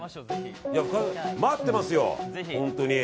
待ってますよ。